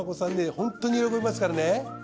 ホントに喜びますからね。